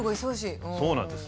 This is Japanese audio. そうなんです。